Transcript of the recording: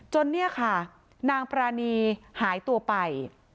เนี่ยค่ะนางปรานีหายตัวไป